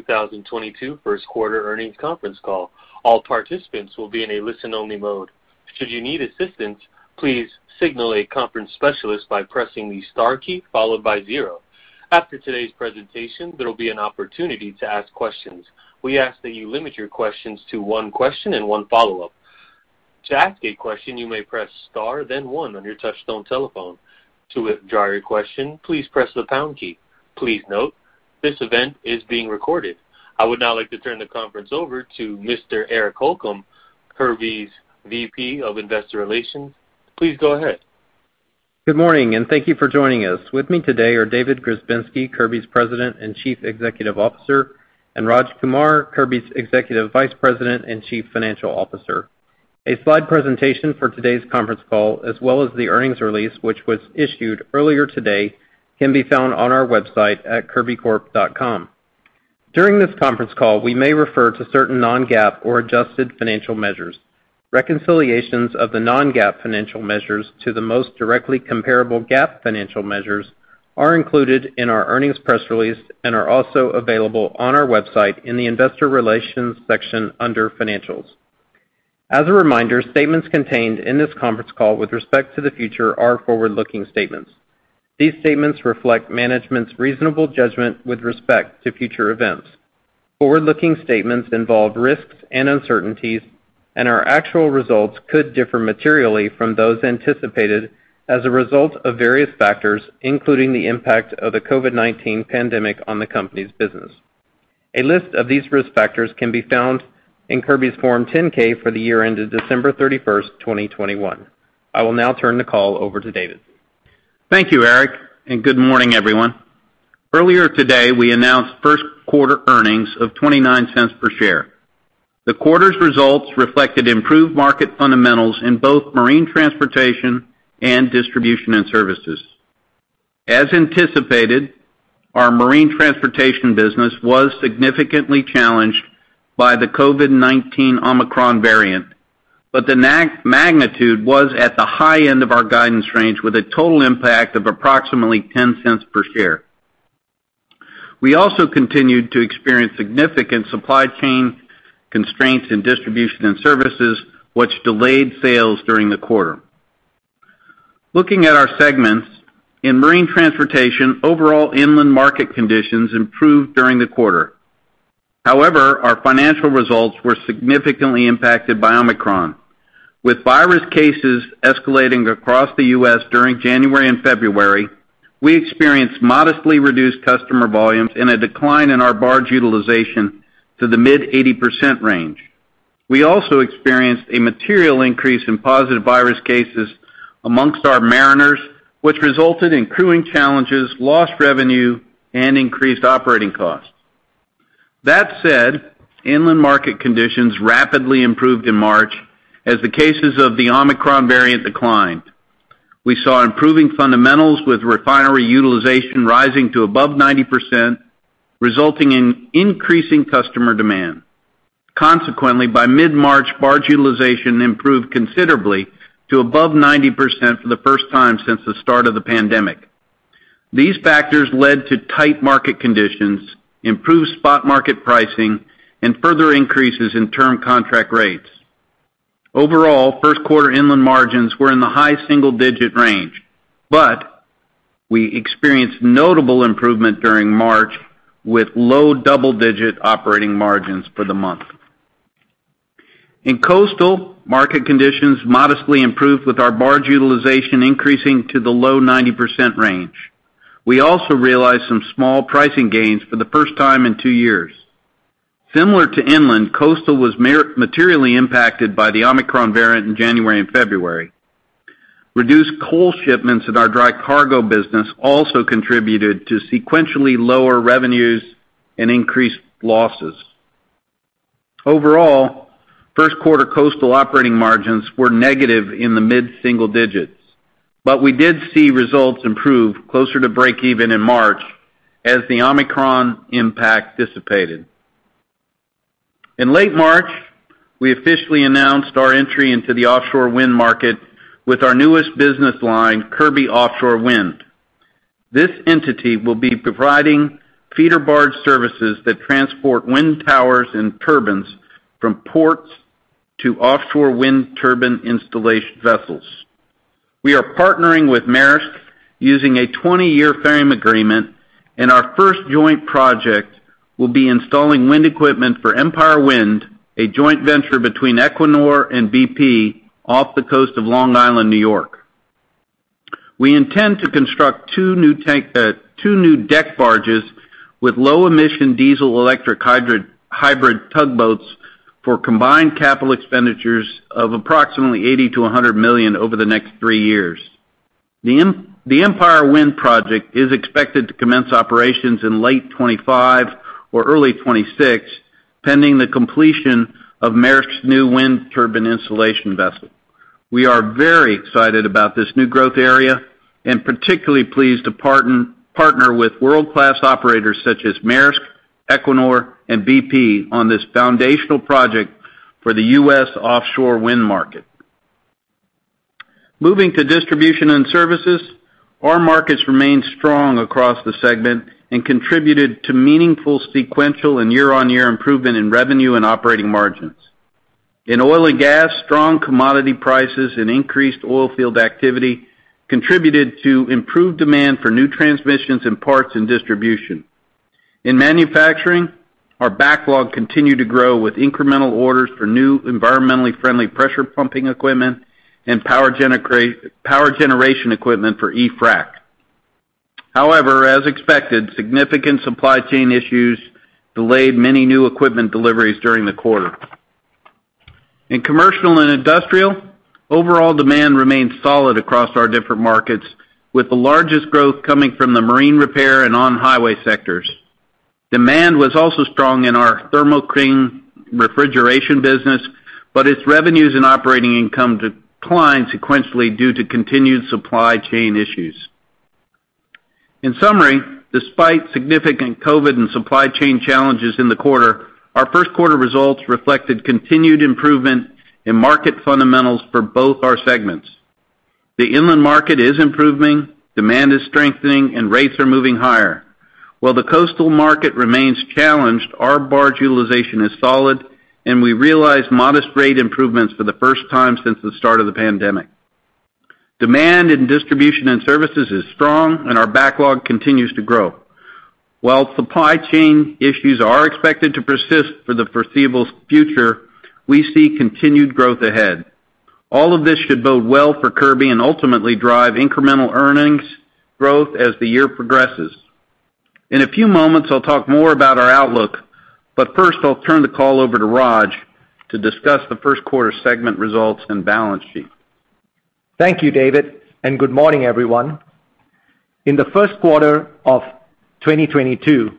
2022 First Quarter Earnings Conference Call. All participants will be in a listen-only mode. Should you need assistance, please signal a conference specialist by pressing the star key followed by zero. After today's presentation, there will be an opportunity to ask questions. We ask that you limit your questions to one question and one follow-up. To ask a question, you may press star then one on your touchtone telephone. To withdraw your question, please press the pound key. Please note, this event is being recorded. I would now like to turn the conference over to Mr. Eric Holcomb, Kirby's VP of Investor Relations. Please go ahead. Good morning, and thank you for joining us. With me today are David Grzebinski, Kirby's President and Chief Executive Officer, and Raj Kumar, Kirby's Executive Vice President and Chief Financial Officer. A slide presentation for today's conference call, as well as the earnings release, which was issued earlier today, can be found on our website at kirbycorp.com. During this conference call, we may refer to certain non-GAAP or adjusted financial measures. Reconciliations of the non-GAAP financial measures to the most directly comparable GAAP financial measures are included in our earnings press release and are also available on our website in the Investor Relations section under Financials. As a reminder, statements contained in this conference call with respect to the future are forward-looking statements. These statements reflect management's reasonable judgment with respect to future events. Forward-looking statements involve risks and uncertainties, and our actual results could differ materially from those anticipated as a result of various factors, including the impact of the COVID-19 pandemic on the company's business. A list of these risk factors can be found in Kirby's Form 10-K for the year ended December 31, 2021. I will now turn the call over to David. Thank you, Eric, and good morning, everyone. Earlier today, we announced first quarter earnings of $0.29 per share. The quarter's results reflected improved market fundamentals in both marine transportation and distribution and services. As anticipated, our marine transportation business was significantly challenged by the COVID-19 Omicron variant, but the magnitude was at the high end of our guidance range with a total impact of approximately $0.10 per share. We also continued to experience significant supply chain constraints in distribution and services, which delayed sales during the quarter. Looking at our segments, in marine transportation, overall inland market conditions improved during the quarter. However, our financial results were significantly impacted by Omicron. With virus cases escalating across the U.S. during January and February, we experienced modestly reduced customer volumes and a decline in our barge utilization to the mid-80% range. We also experienced a material increase in positive virus cases amongst our mariners, which resulted in crewing challenges, lost revenue, and increased operating costs. That said, inland market conditions rapidly improved in March as the cases of the Omicron variant declined. We saw improving fundamentals with refinery utilization rising to above 90%, resulting in increasing customer demand. Consequently, by mid-March, barge utilization improved considerably to above 90% for the first time since the start of the pandemic. These factors led to tight market conditions, improved spot market pricing, and further increases in term contract rates. Overall, first quarter inland margins were in the high single-digit range, but we experienced notable improvement during March with low double-digit operating margins for the month. In coastal, market conditions modestly improved with our barge utilization increasing to the low 90% range. We also realized some small pricing gains for the first time in two years. Similar to inland, coastal was materially impacted by the Omicron variant in January and February. Reduced coal shipments at our dry cargo business also contributed to sequentially lower revenues and increased losses. Overall, first quarter coastal operating margins were negative in the mid-single digits, but we did see results improve closer to break even in March as the Omicron impact dissipated. In late March, we officially announced our entry into the offshore wind market with our newest business line, Kirby Offshore Wind. This entity will be providing feeder barge services that transport wind towers and turbines from ports to offshore wind turbine installation vessels. We are partnering with Maersk using a 20-year framework agreement, and our first joint project will be installing wind equipment for Empire Wind, a joint venture between Equinor and BP, off the coast of Long Island, New York. We intend to construct two new deck barges with low-emission diesel electric hybrid tugboats for combined capital expenditures of approximately $80 million-$100 million over the next three years. The Empire Wind project is expected to commence operations in late 2025 or early 2026, pending the completion of Maersk's new wind turbine installation vessel. We are very excited about this new growth area and particularly pleased to partner with world-class operators such as Maersk, Equinor, and BP on this foundational project for the US offshore wind market. Moving to distribution and services, our markets remain strong across the segment and contributed to meaningful sequential and year-on-year improvement in revenue and operating margins. In oil and gas, strong commodity prices and increased oilfield activity contributed to improved demand for new transmissions and parts and distribution. In manufacturing, our backlog continued to grow with incremental orders for new environmentally friendly pressure pumping equipment and power generation equipment for e-frac. However, as expected, significant supply chain issues delayed many new equipment deliveries during the quarter. In commercial and industrial, overall demand remains solid across our different markets, with the largest growth coming from the marine repair and on-highway sectors. Demand was also strong in our Thermo King refrigeration business, but its revenues and operating income declined sequentially due to continued supply chain issues. In summary, despite significant COVID and supply chain challenges in the quarter, our first quarter results reflected continued improvement in market fundamentals for both our segments. The inland market is improving, demand is strengthening, and rates are moving higher. While the coastal market remains challenged, our barge utilization is solid, and we realized modest rate improvements for the first time since the start of the pandemic. Demand in distribution and services is strong, and our backlog continues to grow. While supply chain issues are expected to persist for the foreseeable future, we see continued growth ahead. All of this should bode well for Kirby and ultimately drive incremental earnings growth as the year progresses. In a few moments, I'll talk more about our outlook, but first, I'll turn the call over to Raj to discuss the first quarter segment results and balance sheet. Thank you, David, and good morning, everyone. In the first quarter of 2022,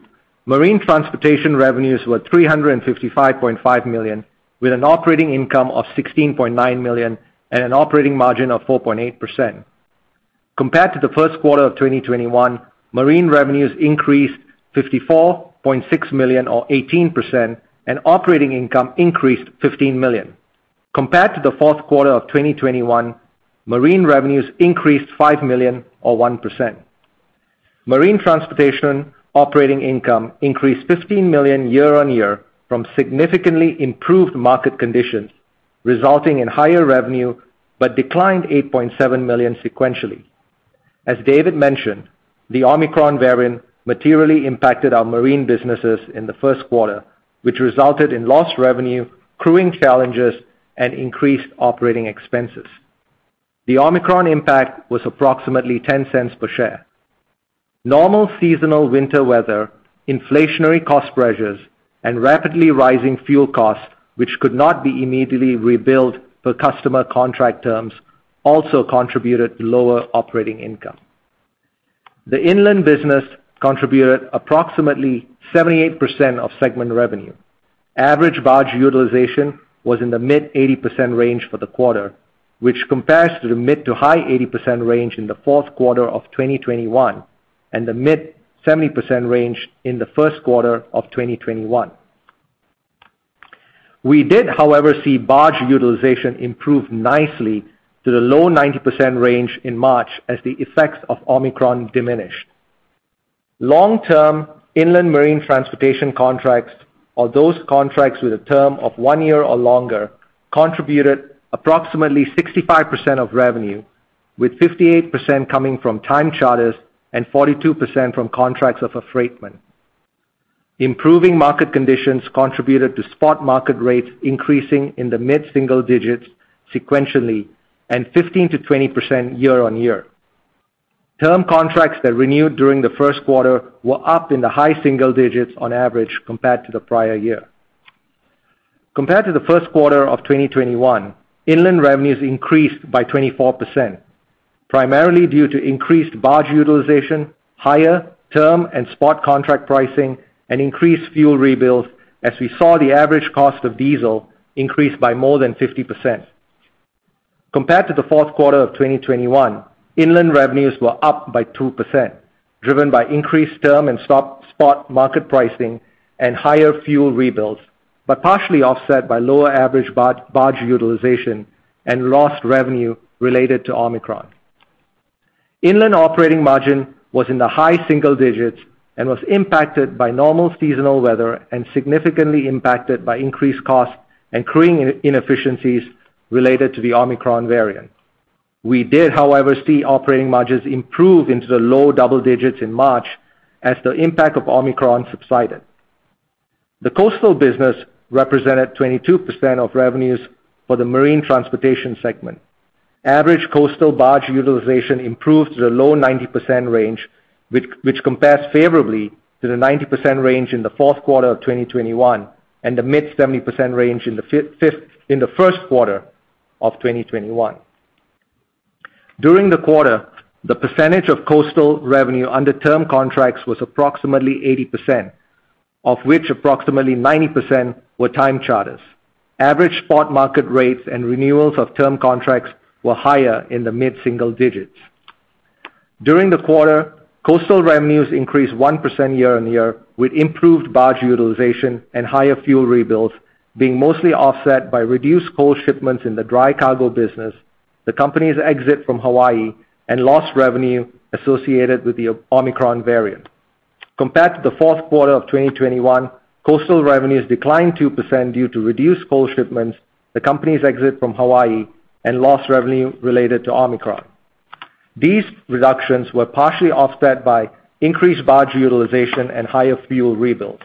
marine transportation revenues were $355.5 million, with an operating income of $16.9 million and an operating margin of 4.8%. Compared to the first quarter of 2021, marine revenues increased $54.6 million or 18%, and operating income increased $15 million. Compared to the fourth quarter of 2021, marine revenues increased $5 million or 1%. Marine transportation operating income increased $15 million year-on-year from significantly improved market conditions, resulting in higher revenue, but declined $8.7 million sequentially. As David mentioned, the Omicron variant materially impacted our marine businesses in the first quarter, which resulted in lost revenue, crewing challenges, and increased operating expenses. The Omicron impact was approximately $0.10 per share. Normal seasonal winter weather, inflationary cost pressures, and rapidly rising fuel costs, which could not be immediately rebuilt per customer contract terms, also contributed to lower operating income. The inland business contributed approximately 78% of segment revenue. Average barge utilization was in the mid-80% range for the quarter, which compares to the mid- to high-80% range in the fourth quarter of 2021 and the mid-70% range in the first quarter of 2021. We did, however, see barge utilization improve nicely to the low-90% range in March as the effects of Omicron diminished. Long-term inland marine transportation contracts or those contracts with a term of one year or longer contributed approximately 65% of revenue, with 58% coming from time charters and 42% from contracts of affreightment. Improving market conditions contributed to spot market rates increasing in the mid-single digits sequentially and 15%-20% year on year. Term contracts that renewed during the first quarter were up in the high single digits on average compared to the prior year. Compared to the first quarter of 2021, inland revenues increased by 24%, primarily due to increased barge utilization, higher term and spot contract pricing, and increased fuel surcharges as we saw the average cost of diesel increase by more than 50%. Compared to the fourth quarter of 2021, inland revenues were up by 2%, driven by increased term and spot market pricing and higher fuel surcharges, but partially offset by lower average barge utilization and lost revenue related to Omicron. Inland operating margin was in the high single digits and was impacted by normal seasonal weather and significantly impacted by increased costs and crewing inefficiencies related to the Omicron variant. We did, however, see operating margins improve into the low double digits in March as the impact of Omicron subsided. The coastal business represented 22% of revenues for the marine transportation segment. Average coastal barge utilization improved to the low 90% range, which compares favorably to the 90% range in the fourth quarter of 2021 and the mid 70% range in the first quarter of 2021. During the quarter, the percentage of coastal revenue under term contracts was approximately 80%, of which approximately 90% were time charters. Average spot market rates and renewals of term contracts were higher in the mid-single digits%. During the quarter, coastal revenues increased 1% year-on-year with improved barge utilization and higher fuel rebuilds being mostly offset by reduced coal shipments in the dry cargo business, the company's exit from Hawaii, and lost revenue associated with the Omicron variant. Compared to the fourth quarter of 2021, coastal revenues declined 2% due to reduced coal shipments, the company's exit from Hawaii, and lost revenue related to Omicron. These reductions were partially offset by increased barge utilization and higher fuel rebuilds.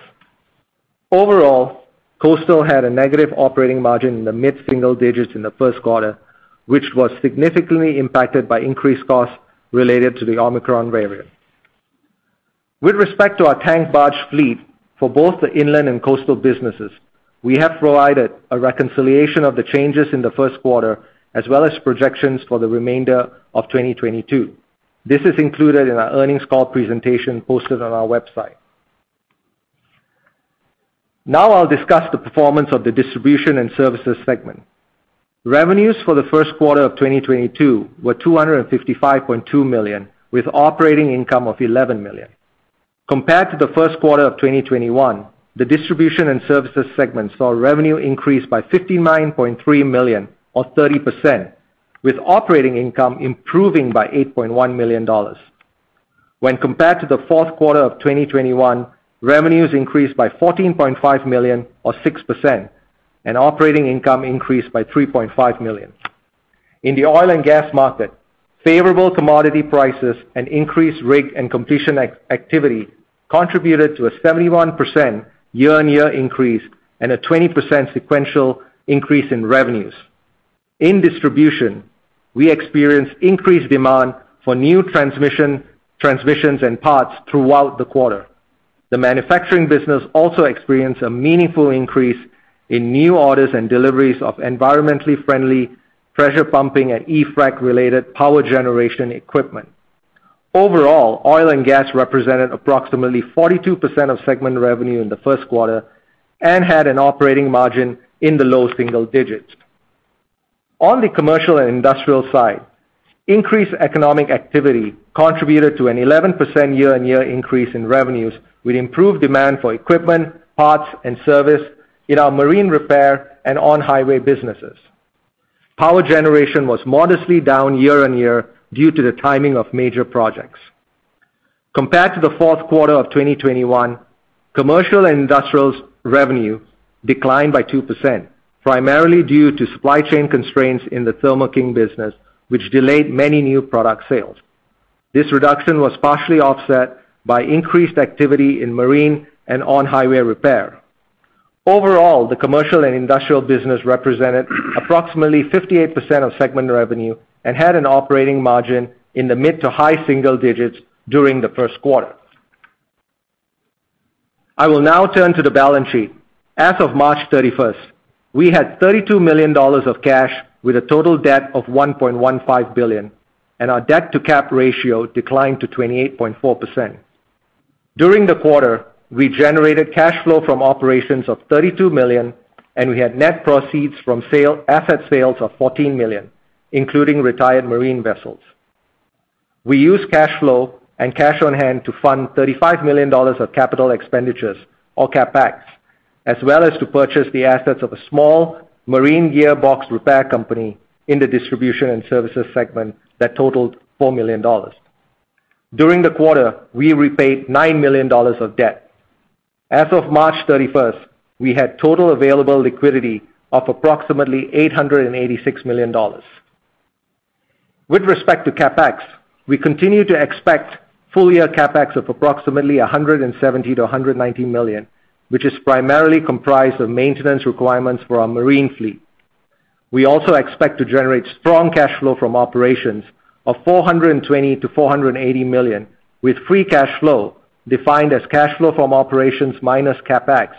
Overall, coastal had a negative operating margin in the mid-single digits% in the first quarter, which was significantly impacted by increased costs related to the Omicron variant. With respect to our tank barge fleet for both the inland and coastal businesses, we have provided a reconciliation of the changes in the first quarter, as well as projections for the remainder of 2022. This is included in our earnings call presentation posted on our website. Now I'll discuss the performance of the distribution and services segment. Revenues for the first quarter of 2022 were $255.2 million, with operating income of $11 million. Compared to the first quarter of 2021, the distribution and services segment saw revenue increase by $59.3 million or 30%, with operating income improving by $8.1 million. When compared to the fourth quarter of 2021, revenues increased by $14.5 million or 6%, and operating income increased by $3.5 million. In the oil and gas market, favorable commodity prices and increased rig and completion activity contributed to a 71% year-on-year increase and a 20% sequential increase in revenues. In distribution, we experienced increased demand for new transmission, transmissions and parts throughout the quarter. The manufacturing business also experienced a meaningful increase in new orders and deliveries of environmentally friendly pressure pumping and e-frac related power generation equipment. Overall, oil and gas represented approximately 42% of segment revenue in the first quarter and had an operating margin in the low single digits. On the commercial and industrial side, increased economic activity contributed to an 11% year-on-year increase in revenues with improved demand for equipment, parts, and service in our marine repair and on-highway businesses. Power generation was modestly down year-on-year due to the timing of major projects. Compared to the fourth quarter of 2021, commercial and industrial's revenue declined by 2%, primarily due to supply chain constraints in the Thermo King business, which delayed many new product sales. This reduction was partially offset by increased activity in marine and on-highway repair. Overall, the commercial and industrial business represented approximately 58% of segment revenue and had an operating margin in the mid to high single digits during the first quarter. I will now turn to the balance sheet. As of March 31, we had $32 million of cash with a total debt of $1.15 billion, and our debt-to-cap ratio declined to 28.4%. During the quarter, we generated cash flow from operations of $32 million, and we had net proceeds from sale of asset sales of $14 million, including retired marine vessels. We used cash flow and cash on hand to fund $35 million of capital expenditures, or CapEx, as well as to purchase the assets of a small marine gearbox repair company in the distribution and services segment that totaled $4 million. During the quarter, we repaid $9 million of debt. As of March 31st, we had total available liquidity of approximately $886 million. With respect to CapEx, we continue to expect full year CapEx of approximately $170 million-$190 million, which is primarily comprised of maintenance requirements for our marine fleet. We also expect to generate strong cash flow from operations of $420 million-$480 million, with free cash flow defined as cash flow from operations minus CapEx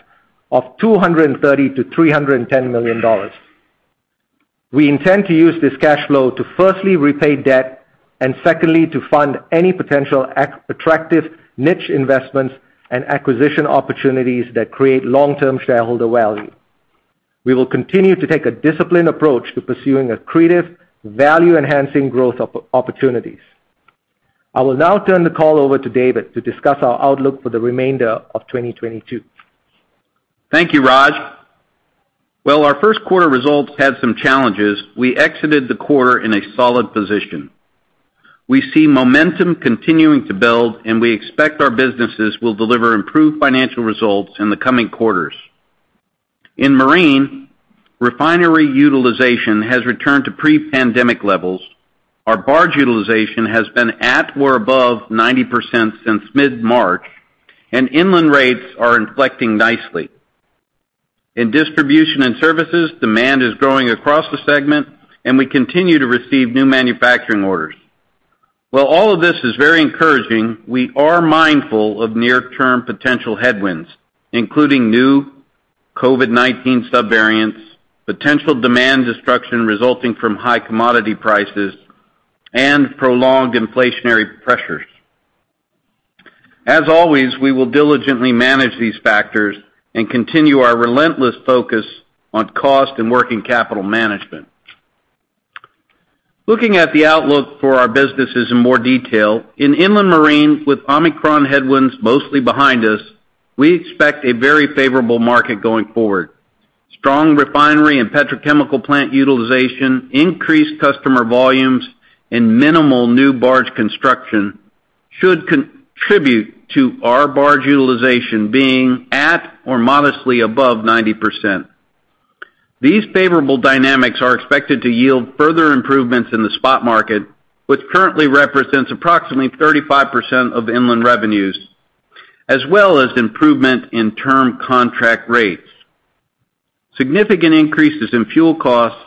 of $230 million-$310 million. We intend to use this cash flow to firstly repay debt and secondly, to fund any potential attractive niche investments and acquisition opportunities that create long-term shareholder value. We will continue to take a disciplined approach to pursuing accretive, value-enhancing growth opportunities. I will now turn the call over to David to discuss our outlook for the remainder of 2022. Thank you, Raj. While our first quarter results had some challenges, we exited the quarter in a solid position. We see momentum continuing to build, and we expect our businesses will deliver improved financial results in the coming quarters. In marine, refinery utilization has returned to pre-pandemic levels. Our barge utilization has been at or above 90% since mid-March, and inland rates are inflecting nicely. In distribution and services, demand is growing across the segment, and we continue to receive new manufacturing orders. While all of this is very encouraging, we are mindful of near-term potential headwinds, including new COVID-19 subvariants, potential demand destruction resulting from high commodity prices, and prolonged inflationary pressures. As always, we will diligently manage these factors and continue our relentless focus on cost and working capital management. Looking at the outlook for our businesses in more detail, in inland marine, with Omicron headwinds mostly behind us, we expect a very favorable market going forward. Strong refinery and petrochemical plant utilization, increased customer volumes, and minimal new barge construction should contribute to our barge utilization being at or modestly above 90%. These favorable dynamics are expected to yield further improvements in the spot market, which currently represents approximately 35% of inland revenues, as well as improvement in term contract rates. Significant increases in fuel costs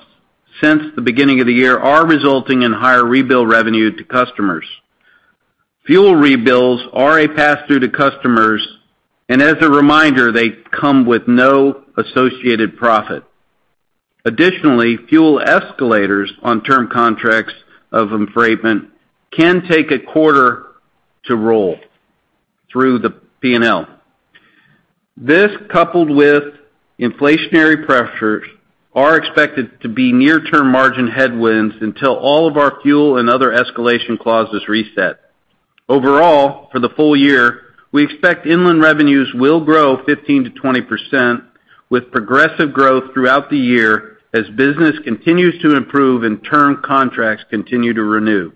since the beginning of the year are resulting in higher rebuild revenue to customers. Fuel rebuilds are a pass-through to customers, and as a reminder, they come with no associated profit. Additionally, fuel escalators on term contracts of affreightment can take a quarter to roll through the P&L. This, coupled with inflationary pressures, are expected to be near-term margin headwinds until all of our fuel and other escalation clauses reset. Overall, for the full year, we expect inland revenues will grow 15%-20%, with progressive growth throughout the year as business continues to improve and term contracts continue to renew.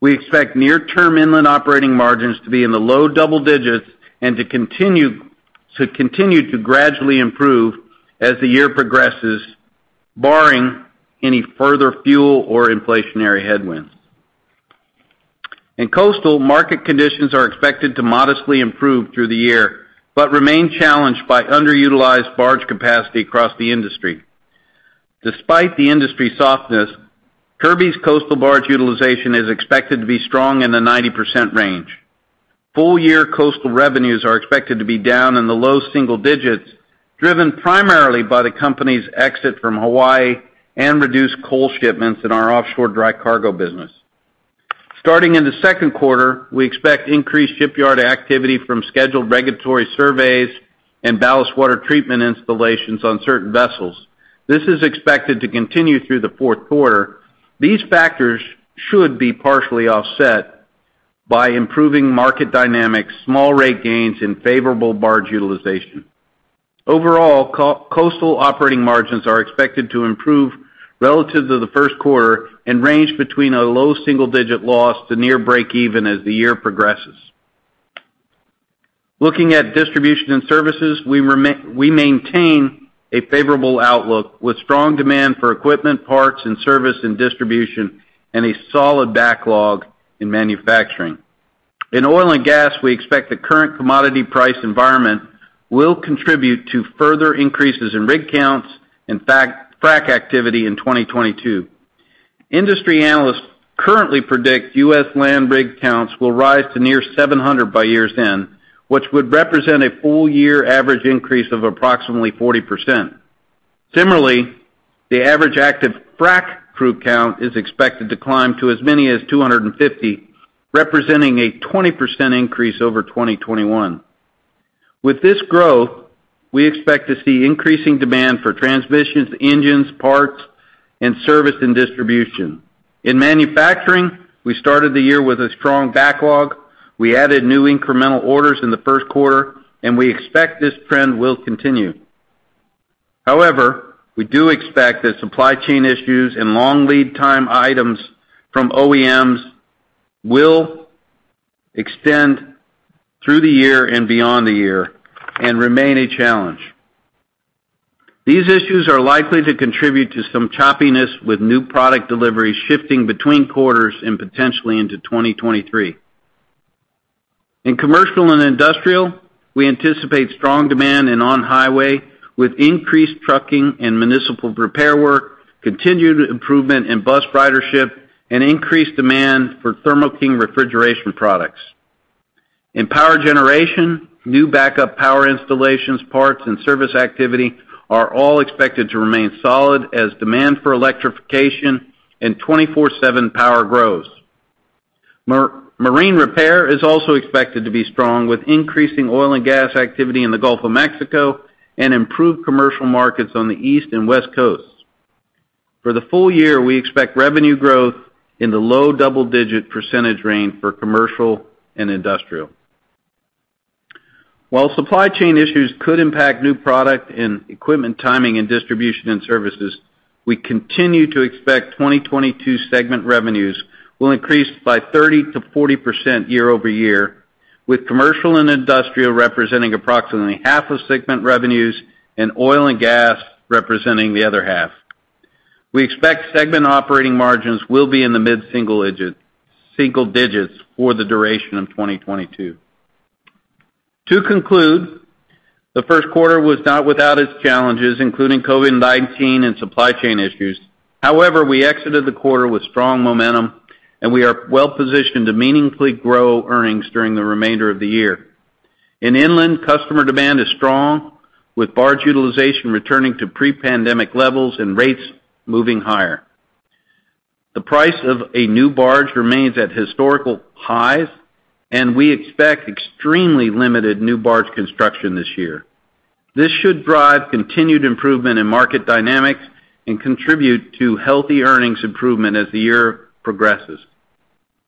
We expect near-term inland operating margins to be in the low double digits and to continue to gradually improve as the year progresses, barring any further fuel or inflationary headwinds. In coastal, market conditions are expected to modestly improve through the year, but remain challenged by underutilized barge capacity across the industry. Despite the industry softness, Kirby's coastal barge utilization is expected to be strong in the 90% range. Full-year coastal revenues are expected to be down in the low single digits, driven primarily by the company's exit from Hawaii and reduced coal shipments in our offshore dry cargo business. Starting in the second quarter, we expect increased shipyard activity from scheduled regulatory surveys and ballast water treatment installations on certain vessels. This is expected to continue through the fourth quarter. These factors should be partially offset by improving market dynamics, small rate gains, and favorable barge utilization. Overall, coastal operating margins are expected to improve relative to the first quarter and range between a low single-digit loss to near breakeven as the year progresses. Looking at distribution and services, we maintain a favorable outlook with strong demand for equipment, parts, and service and distribution, and a solid backlog in manufacturing. In oil and gas, we expect the current commodity price environment will contribute to further increases in rig counts and frac activity in 2022. Industry analysts currently predict US land rig counts will rise to near 700 by year's end, which would represent a full-year average increase of approximately 40%. Similarly, the average active frac crew count is expected to climb to as many as 250, representing a 20% increase over 2021. With this growth, we expect to see increasing demand for transmissions, engines, parts, and service and distribution. In manufacturing, we started the year with a strong backlog. We added new incremental orders in the first quarter, and we expect this trend will continue. However, we do expect that supply chain issues and long lead time items from OEMs will extend through the year and beyond the year and remain a challenge. These issues are likely to contribute to some choppiness with new product delivery shifting between quarters and potentially into 2023. In commercial and industrial, we anticipate strong demand in on-highway with increased trucking and municipal repair work, continued improvement in bus ridership, and increased demand for Thermo King refrigeration products. In power generation, new backup power installations, parts, and service activity are all expected to remain solid as demand for electrification and 24/7 power grows. Marine repair is also expected to be strong with increasing oil and gas activity in the Gulf of Mexico and improved commercial markets on the East and West Coasts. For the full year, we expect revenue growth in the low double-digit % range for commercial and industrial. While supply chain issues could impact new product and equipment timing and distribution and services, we continue to expect 2022 segment revenues will increase by 30%-40% year-over-year, with commercial and industrial representing approximately half of segment revenues and oil and gas representing the other half. We expect segment operating margins will be in the mid-single digits for the duration of 2022. To conclude, the first quarter was not without its challenges, including COVID-19 and supply chain issues. However, we exited the quarter with strong momentum, and we are well-positioned to meaningfully grow earnings during the remainder of the year. In inland, customer demand is strong, with barge utilization returning to pre-pandemic levels and rates moving higher. The price of a new barge remains at historical highs, and we expect extremely limited new barge construction this year. This should drive continued improvement in market dynamics and contribute to healthy earnings improvement as the year progresses.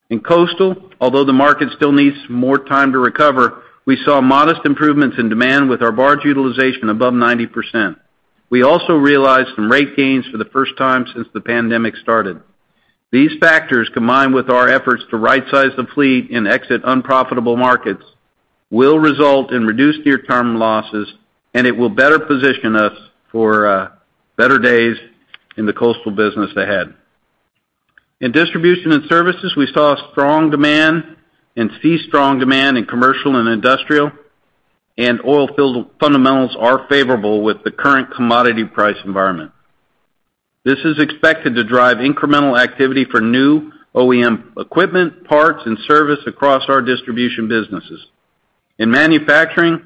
In coastal, although the market still needs more time to recover, we saw modest improvements in demand with our barge utilization above 90%. We also realized some rate gains for the first time since the pandemic started. These factors, combined with our efforts to rightsize the fleet and exit unprofitable markets, will result in reduced year-over-year losses, and it will better position us for better days in the coastal business ahead. In distribution and services, we saw strong demand and see strong demand in commercial and industrial, and oil field fundamentals are favorable with the current commodity price environment. This is expected to drive incremental activity for new OEM equipment, parts, and service across our distribution businesses. In manufacturing,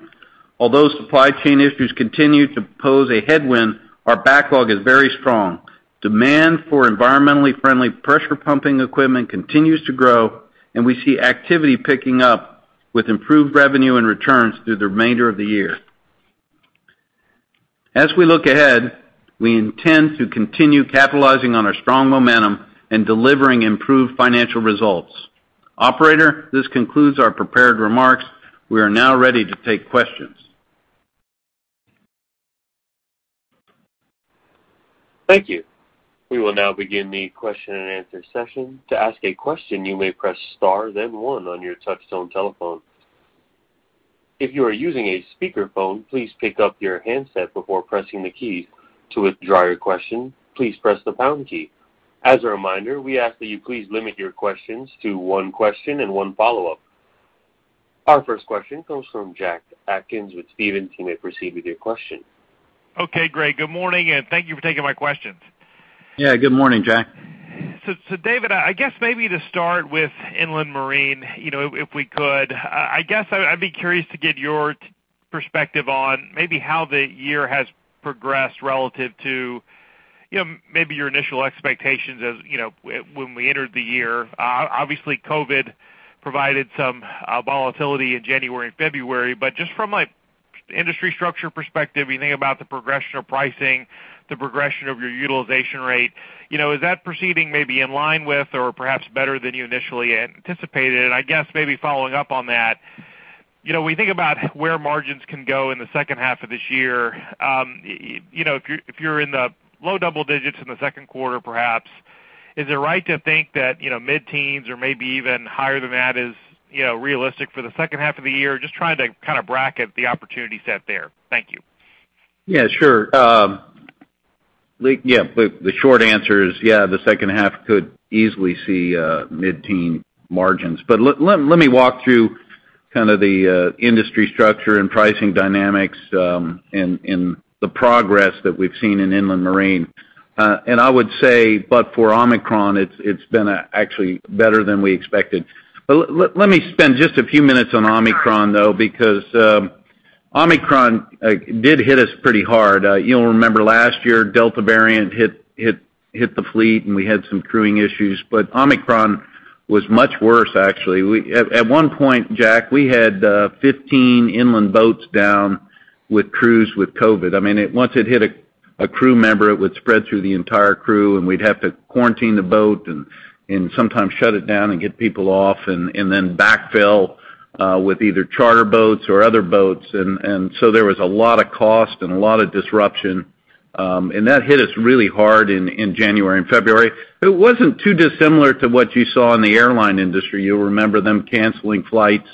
although supply chain issues continue to pose a headwind, our backlog is very strong. Demand for environmentally friendly pressure pumping equipment continues to grow, and we see activity picking up with improved revenue and returns through the remainder of the year. As we look ahead, we intend to continue capitalizing on our strong momentum and delivering improved financial results. Operator, this concludes our prepared remarks. We are now ready to take questions. Thank you. We will now begin the question-and-answer session. To ask a question, you may press star then one on your touchtone telephone. If you are using a speakerphone, please pick up your handset before pressing the key. To withdraw your question, please press the pound key. As a reminder, we ask that you please limit your questions to one question and one follow-up. Our first question comes from Jack Atkins with Stephens. You may proceed with your question. Okay, great. Good morning, and thank you for taking my questions. Yeah, good morning, Jack. David, I guess maybe to start with Inland Marine, you know, if we could, I guess I'd be curious to get your perspective on maybe how the year has progressed relative to, you know, maybe your initial expectations as, you know, when we entered the year. Obviously, COVID provided some volatility in January and February. But just from, like, industry structure perspective, you think about the progression of pricing, the progression of your utilization rate, you know, is that proceeding maybe in line with or perhaps better than you initially anticipated? I guess maybe following up on that, you know, we think about where margins can go in the second half of this year. You know, if you're in the low double digits in the second quarter, perhaps, is it right to think that, you know, mid-teens or maybe even higher than that is, you know, realistic for the second half of the year? Just trying to kind of bracket the opportunity set there. Thank you. Yeah, sure. Yeah, the short answer is, yeah, the second half could easily see mid-teen margins. Let me walk through kind of the industry structure and pricing dynamics, and the progress that we've seen in inland marine. I would say, but for Omicron, it's been actually better than we expected. Let me spend just a few minutes on Omicron, though, because Omicron did hit us pretty hard. You'll remember last year, Delta variant hit the fleet, and we had some crewing issues, but Omicron was much worse actually. At one point, Jack, we had 15 inland boats down with crews with COVID. I mean, it. Once it hit a crew member, it would spread through the entire crew, and we'd have to quarantine the boat and sometimes shut it down and get people off and then backfill with either charter boats or other boats. There was a lot of cost and a lot of disruption, and that hit us really hard in January and February. It wasn't too dissimilar to what you saw in the airline industry. You'll remember them canceling flights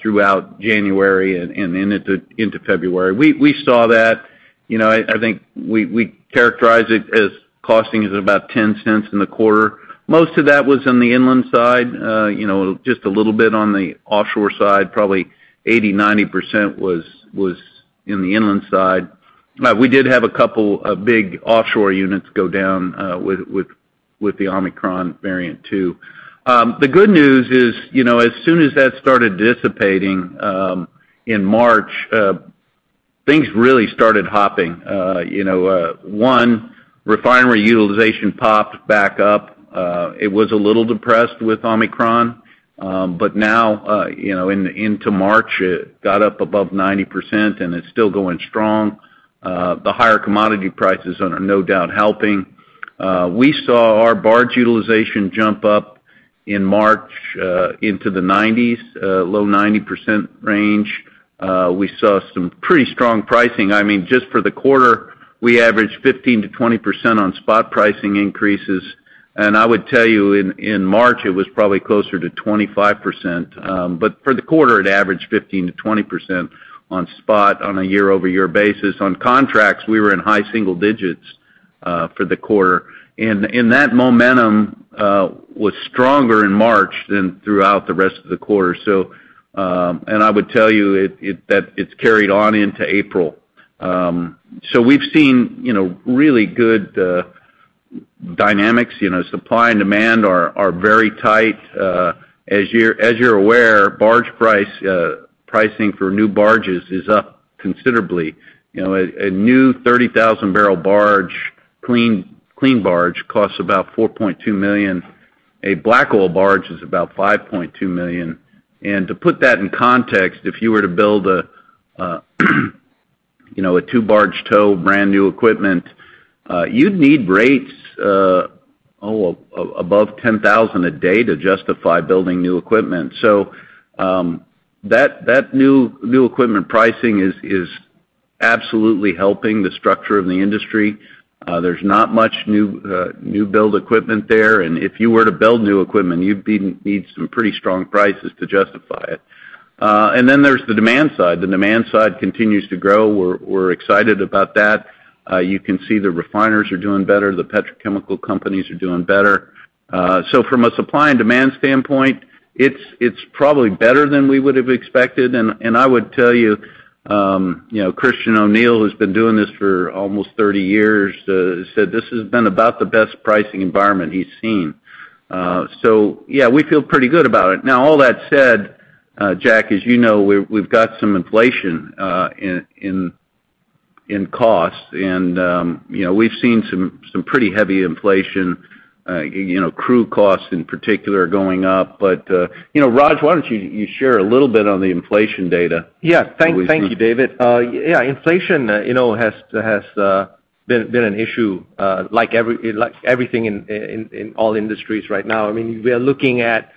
throughout January and into February. We saw that. You know, I think we characterize it as costing us about $0.10 in the quarter. Most of that was on the inland side, you know, just a little bit on the offshore side. Probably 80%-90% was in the inland side. We did have a couple of big offshore units go down with the Omicron variant too. The good news is, you know, as soon as that started dissipating in March, things really started hopping. You know, refinery utilization popped back up. It was a little depressed with Omicron, but now, you know, into March, it got up above 90%, and it's still going strong. The higher commodity prices are no doubt helping. We saw our barge utilization jump up in March into the low 90% range. We saw some pretty strong pricing. I mean, just for the quarter, we averaged 15%-20% on spot pricing increases. I would tell you in March, it was probably closer to 25%. For the quarter, it averaged 15%-20% on spot on a year-over-year basis. On contracts, we were in high single digits for the quarter. That momentum was stronger in March than throughout the rest of the quarter. I would tell you that it's carried on into April. We've seen, you know, really good dynamics. You know, supply and demand are very tight. As you're aware, barge pricing for new barges is up considerably. You know, a new 30,000-barrel clean barge costs about $4.2 million. A black oil barge is about $5.2 million. To put that in context, if you were to build a two barge tow brand new equipment, you'd need rates above $10,000 a day to justify building new equipment. That new equipment pricing is absolutely helping the structure of the industry. There's not much new build equipment there. If you were to build new equipment, you'd need some pretty strong prices to justify it. There's the demand side. The demand side continues to grow. We're excited about that. You can see the refiners are doing better, the petrochemical companies are doing better. From a supply and demand standpoint, it's probably better than we would have expected. I would tell you know, Christian O'Neil, who's been doing this for almost 30 years, said this has been about the best pricing environment he's seen. Yeah, we feel pretty good about it. Now, all that said, Jack, as you know, we've got some inflation in costs. You know, we've seen some pretty heavy inflation, you know, crude costs in particular are going up. You know, Raj, why don't you share a little bit on the inflation data? Yeah. Thank you, David. Yeah, inflation, you know, has been an issue, like everything in all industries right now. I mean, we are looking at,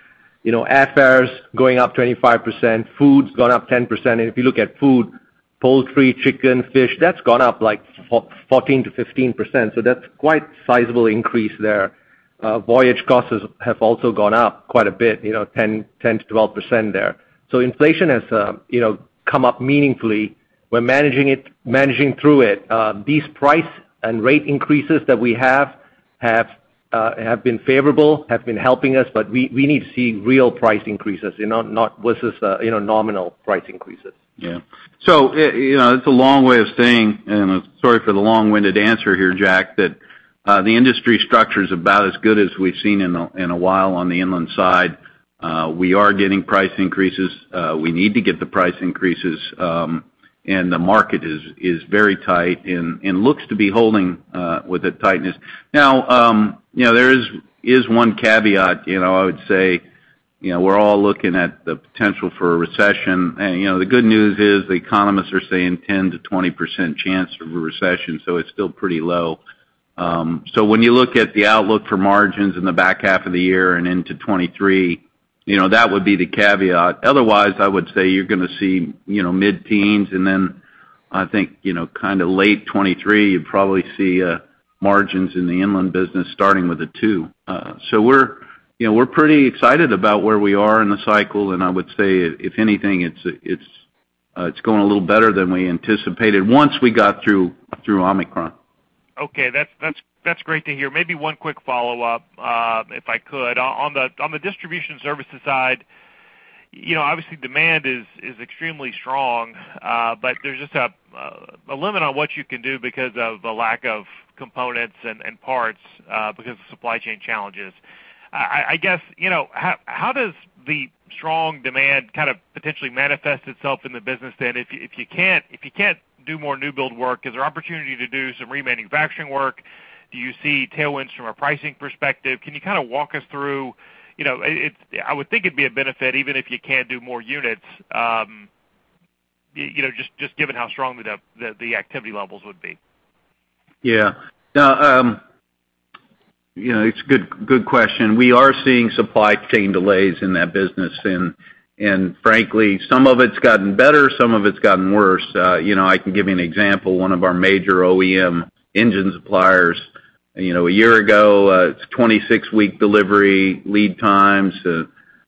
you know, airfares going up 25%, food's gone up 10%. If you look at food, poultry, chicken, fish, that's gone up like fourteen to fifteen percent. That's quite sizable increase there. Voyage costs have also gone up quite a bit, you know, ten to twelve percent there. Inflation has, you know, come up meaningfully. We're managing it, managing through it. These price and rate increases that we have have been favorable, have been helping us, but we need to see real price increases, you know, not versus nominal price increases. Yeah. You know, it's a long way of saying, and sorry for the long-winded answer here, Jack, that the industry structure is about as good as we've seen in a while on the inland side. We are getting price increases. We need to get the price increases, and the market is very tight and looks to be holding with the tightness. Now, you know, there is one caveat. You know, I would say, you know, we're all looking at the potential for a recession. You know, the good news is the economists are saying 10%-20% chance of a recession, so it's still pretty low. When you look at the outlook for margins in the back half of the year and into 2023, you know, that would be the caveat. Otherwise, I would say you're gonna see, you know, mid-teens%, and then I think, you know, kind of late 2023, you'd probably see margins in the inland business starting with a 2. We're, you know, pretty excited about where we are in the cycle. I would say if anything, it's going a little better than we anticipated once we got through Omicron. Okay. That's great to hear. Maybe one quick follow-up, if I could. On the distribution services side, you know, obviously demand is extremely strong, but there's just a limit on what you can do because of the lack of components and parts because of supply chain challenges. I guess, you know, how does the strong demand kind of potentially manifest itself in the business then? If you can't do more new build work, is there opportunity to do some remanufacturing work? Do you see tailwinds from a pricing perspective? Can you kind of walk us through, you know. I would think it'd be a benefit even if you can't do more units, you know, just given how strong the activity levels would be. Yeah. No, you know, it's a good question. We are seeing supply chain delays in that business, and frankly, some of it's gotten better, some of it's gotten worse. You know, I can give you an example. One of our major OEM engine suppliers, you know, a year ago, it's 26-week delivery lead times.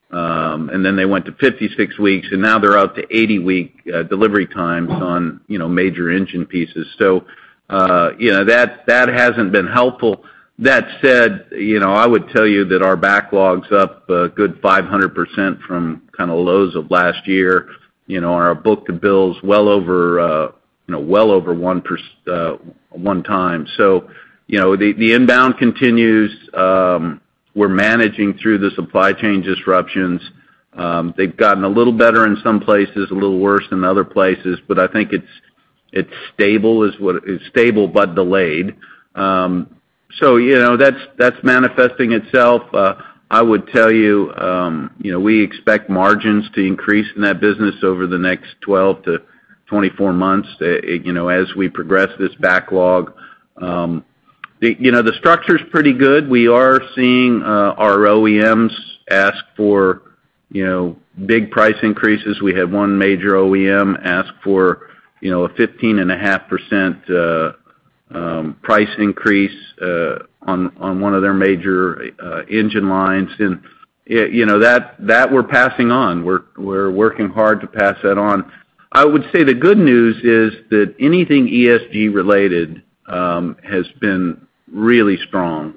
And then they went to 56 weeks, and now they're out to 80-week delivery times on, you know, major engine pieces. You know, that hasn't been helpful. That said, you know, I would tell you that our backlog's up a good 500% from kind of lows of last year. You know, our book to bill is well over, you know, well over 1.1 times. You know, the inbound continues. We're managing through the supply chain disruptions. They've gotten a little better in some places, a little worse in other places, but I think it's stable but delayed. You know, that's manifesting itself. I would tell you know, we expect margins to increase in that business over the next 12-24 months, you know, as we progress this backlog. You know, the structure's pretty good. We are seeing our OEMs ask for, you know, big price increases. We had one major OEM ask for, you know, a 15.5% price increase on one of their major engine lines. You know, that we're passing on. We're working hard to pass that on. I would say the good news is that anything ESG related has been really strong.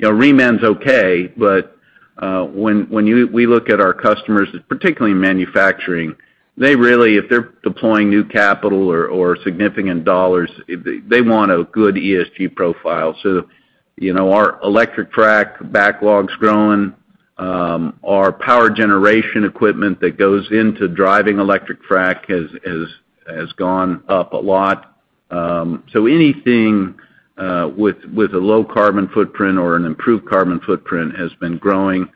You know, reman's okay, but when we look at our customers, particularly in manufacturing, they really, if they're deploying new capital or significant dollars, they want a good ESG profile. So, you know, our electric frac backlog's growing. Our power generation equipment that goes into driving electric frac has gone up a lot. So anything with a low carbon footprint or an improved carbon footprint has been growing,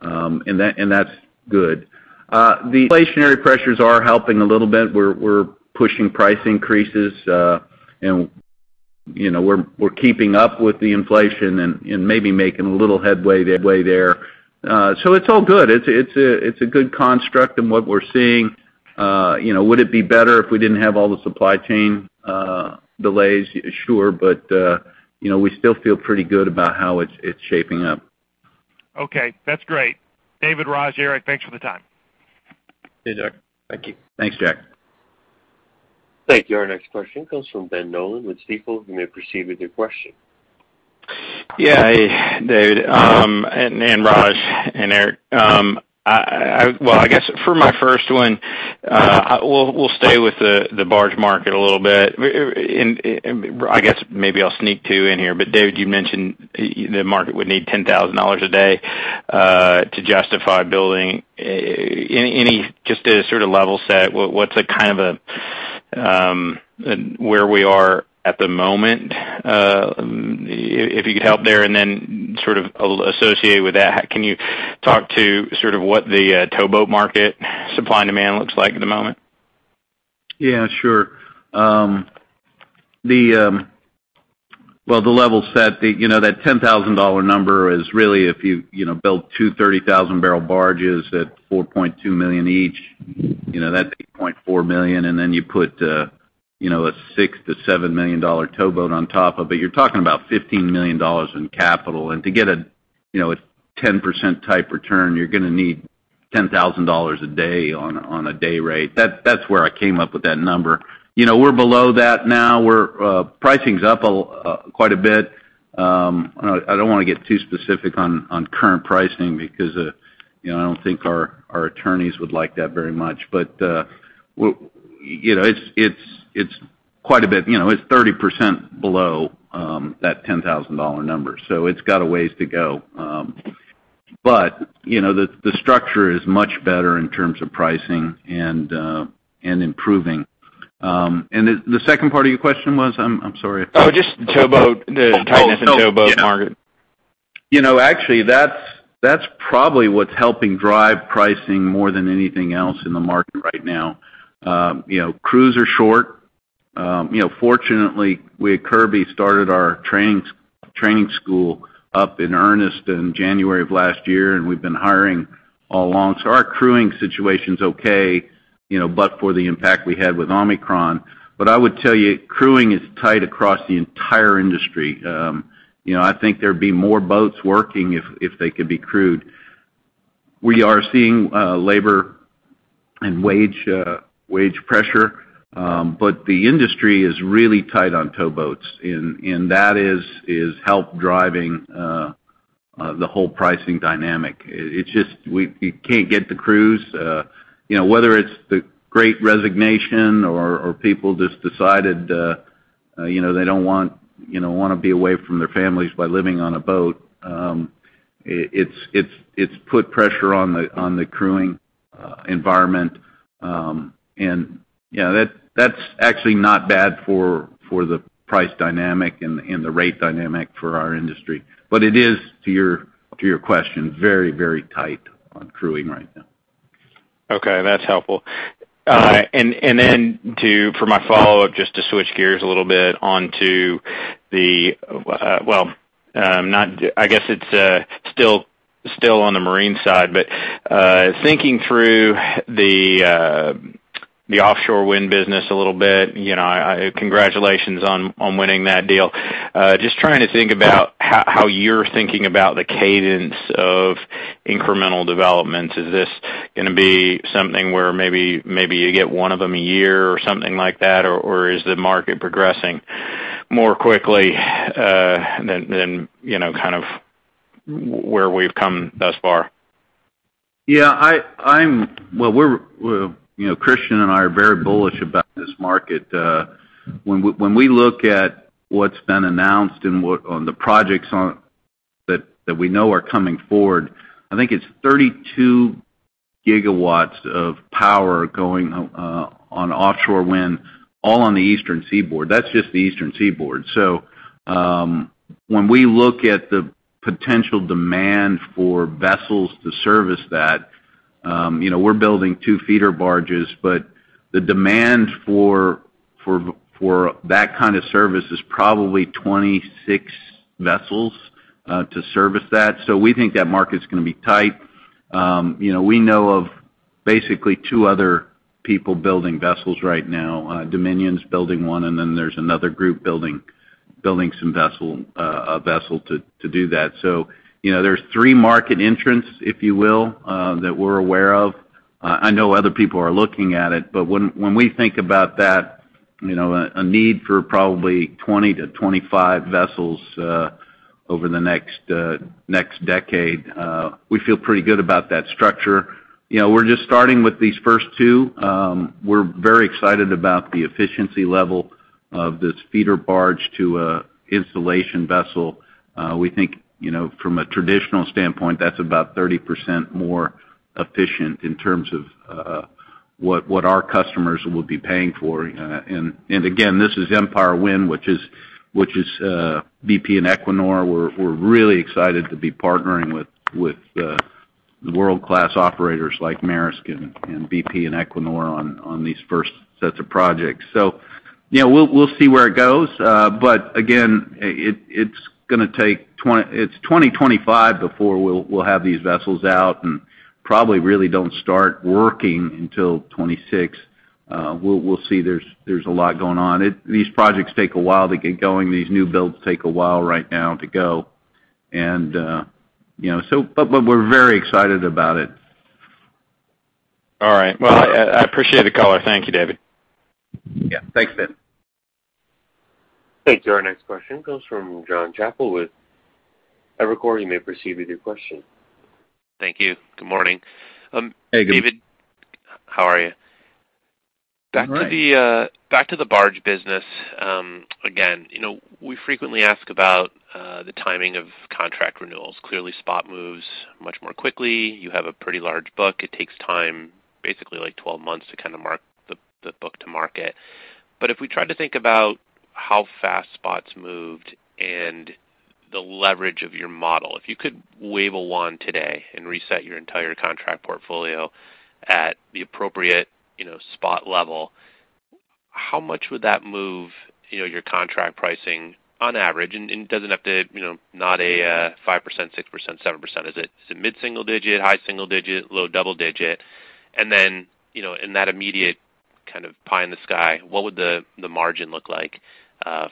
and that's good. The inflationary pressures are helping a little bit. We're pushing price increases, and you know, we're keeping up with the inflation and maybe making a little headway there. So it's all good. It's a good construct in what we're seeing. You know, would it be better if we didn't have all the supply chain delays? Sure. You know, we still feel pretty good about how it's shaping up. Okay, that's great. David, Raj, Eric, thanks for the time. Thanks, Jack. Thank you. Thanks, Jack. Thank you. Our next question comes from Ben Nolan with Stifel. You may proceed with your question. Yeah. David, and Raj and Eric. Well, I guess for my first one, we'll stay with the barge market a little bit. I guess maybe I'll sneak two in here, but David, you mentioned the market would need $10,000 a day to justify building. Anyway, just as a sort of level set, what's a kind of a where we are at the moment? If you could help there, and then sort of associated with that, can you talk to sort of what the towboat market supply and demand looks like at the moment? Yeah, sure. Well, the level set, you know, that $10,000 number is really if you know, build two 30,000-barrel barges at $4.2 million each, you know, that's $8.4 million. Then you put, you know, a $6 million-$7 million towboat on top of it, you're talking about $15 million in capital. To get a, you know, a 10% type return, you're gonna need $10,000 a day on a day rate. That's where I came up with that number. You know, we're below that now. Pricing's up quite a bit. I don't wanna get too specific on current pricing because, you know, I don't think our attorneys would like that very much. But you know, it's quite a bit. You know, it's 30% below that $10,000 number, so it's got a ways to go. You know, the structure is much better in terms of pricing and improving. The second part of your question was? I'm sorry. Oh, just towboat, the tightness in towboat market. You know, actually, that's probably what's helping drive pricing more than anything else in the market right now. You know, crews are short. You know, fortunately, we at Kirby started our training school up in earnest in January of last year, and we've been hiring all along. Our crewing situation's okay, you know, but for the impact we had with Omicron. I would tell you, crewing is tight across the entire industry. You know, I think there'd be more boats working if they could be crewed. We are seeing labor and wage pressure, but the industry is really tight on towboats. That is helping drive the whole pricing dynamic. It's just, we can't get the crews. You know, whether it's the great resignation or people just decided, you know, they don't want, you know, wanna be away from their families by living on a boat, it's put pressure on the crewing environment. You know, that's actually not bad for the price dynamic and the rate dynamic for our industry. It is, to your question, very tight on crewing right now. Okay, that's helpful. For my follow-up, just to switch gears a little bit onto the, I guess it's still on the marine side, but thinking through the offshore wind business a little bit, you know, congratulations on winning that deal. Just trying to think about how you're thinking about the cadence of incremental development. Is this gonna be something where maybe you get one of them a year or something like that, or is the market progressing more quickly than you know, kind of where we've come thus far? Yeah, I'm. Well, we're. You know, Christian and I are very bullish about this market. When we look at what's been announced and what's on the projects that we know are coming forward, I think it's 32 GW of power going on offshore wind, all on the Eastern Seaboard. That's just the Eastern Seaboard. When we look at the potential demand for vessels to service that, you know, we're building two feeder barges, but the demand for that kind of service is probably 26 vessels to service that. We think that market's gonna be tight. You know, we know of basically two other people building vessels right now. Dominion's building one, and then there's another group building some vessel, a vessel to do that. You know, there's three market entrants, if you will, that we're aware of. I know other people are looking at it, but when we think about that, you know, a need for probably 20-25 vessels over the next decade, we feel pretty good about that structure. You know, we're just starting with these first two. We're very excited about the efficiency level of this feeder barge to an installation vessel. We think, you know, from a traditional standpoint, that's about 30% more efficient in terms of what our customers would be paying for. And again, this is Empire Wind, which is BP and Equinor. We're really excited to be partnering with the world-class operators like Maersk and BP and Equinor on these first sets of projects. You know, we'll see where it goes. Again, it's gonna take 2025 before we'll have these vessels out and probably really don't start working until 2026. We'll see. There's a lot going on. These projects take a while to get going. These new builds take a while right now to go. You know, we're very excited about it. All right. Well, I appreciate the call. Thank you, David. Yeah. Thanks, Ben. Thanks. Our next question comes from Jonathan Chappell with Evercore. You may proceed with your question. Thank you. Good morning. Hey, good- David, how are you? I'm all right. Back to the barge business, again, you know, we frequently ask about the timing of contract renewals. Clearly, spot moves much more quickly. You have a pretty large book. It takes time, basically like 12 months to kind of mark the book to market. If we tried to think about how fast spot's moved and the leverage of your model, if you could wave a wand today and reset your entire contract portfolio at the appropriate, you know, spot level, how much would that move, you know, your contract pricing on average? It doesn't have to, you know, not a 5%, 6%, 7%, is it? Is it mid-single-digit %, high single-digit %, low double-digit %? You know, in that immediate kind of pie in the sky, what would the margin look like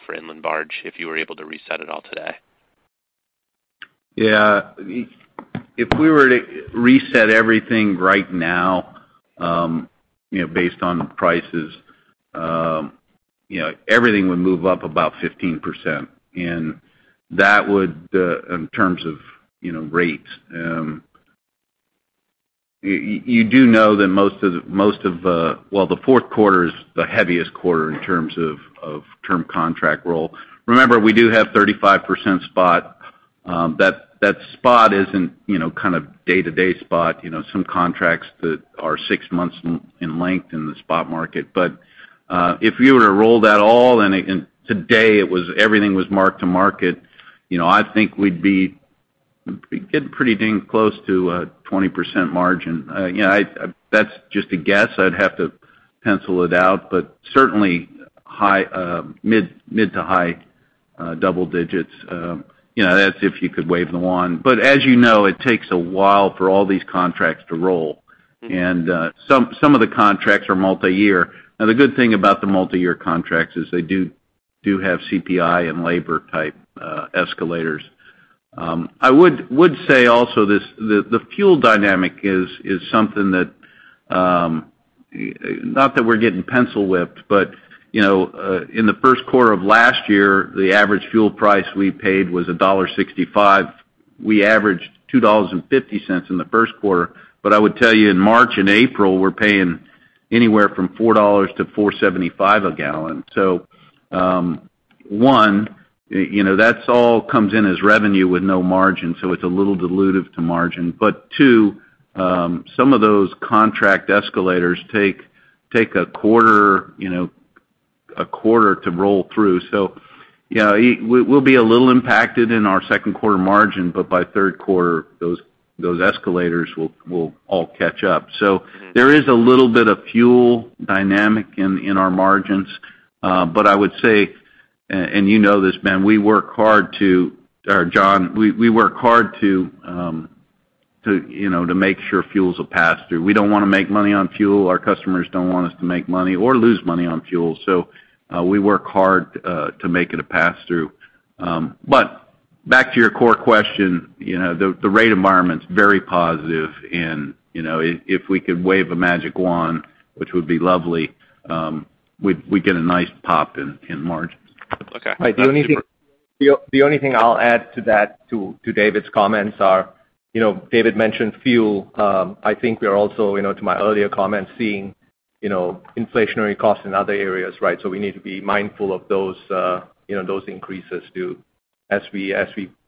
for inland barge if you were able to reset it all today? Yeah. If we were to reset everything right now, you know, based on prices, you know, everything would move up about 15%. That would, in terms of, you know, rates, you do know that most of... Well, the fourth quarter is the heaviest quarter in terms of of term contract roll. Remember, we do have 35% spot, that spot isn't, you know, kind of day-to-day spot. You know, some contracts that are six months in length in the spot market. If we were to roll that all and today everything was marked to market, you know, I think we'd be getting pretty dang close to a 20% margin. You know, that's just a guess. I'd have to pencil it out, but certainly high, mid to high, double digits. You know, that's if you could wave the wand. As you know, it takes a while for all these contracts to roll. Mm-hmm. Some of the contracts are multi-year. Now, the good thing about the multi-year contracts is they do have CPI and labor type escalators. I would say also the fuel dynamic is something that, not that we're getting pencil whipped, but you know, in the first quarter of last year, the average fuel price we paid was $1.65. We averaged $2.50 in the first quarter. I would tell you, in March and April, we're paying anywhere from $4-$4.75 a gallon. One, you know, that's all comes in as revenue with no margin, so it's a little dilutive to margin. Two, some of those contract escalators take a quarter, you know, a quarter to roll through. You know, we'll be a little impacted in our second quarter margin, but by third quarter, those escalators will all catch up. Mm-hmm. There is a little bit of fuel dynamic in our margins. I would say, and you know this, Ben, or John, we work hard to you know, to make sure fuel is a pass-through. We don't wanna make money on fuel. Our customers don't want us to make money or lose money on fuel. We work hard to make it a pass-through. Back to your core question, you know, the rate environment's very positive and, you know, if we could wave a magic wand, which would be lovely, we'd get a nice pop in margins. Okay. Right. The only thing. The only thing I'll add to that to David's comments are, you know, David mentioned fuel. I think we are also, you know, to my earlier comments, seeing, you know, inflationary costs in other areas, right? We need to be mindful of those, you know, those increases too as we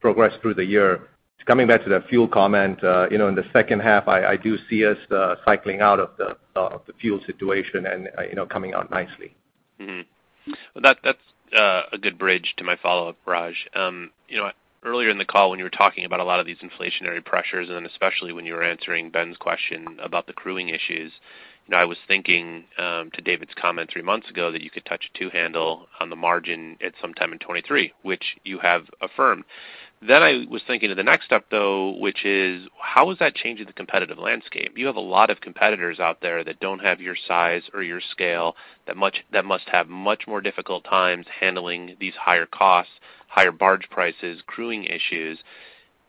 progress through the year. Coming back to that fuel comment, you know, in the second half, I do see us cycling out of the fuel situation and, you know, coming out nicely. Well, that's a good bridge to my follow-up, Raj. You know, earlier in the call when you were talking about a lot of these inflationary pressures, and especially when you were answering Ben's question about the crewing issues, you know, I was thinking to David's comment three months ago, that you could touch a two handle on the margin at some time in 2023, which you have affirmed. Then I was thinking of the next step, though, which is, how is that changing the competitive landscape? You have a lot of competitors out there that don't have your size or your scale that much that must have much more difficult times handling these higher costs, higher barge prices, crewing issues.